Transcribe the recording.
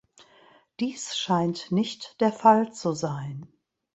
Dies scheint nicht der Fall zu sein.